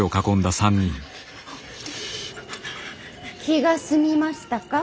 ・気が済みましたか。